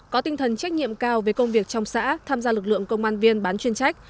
có tinh thần trách nhiệm cao về công việc trong xã tham gia lực lượng công an viên bán chuyên trách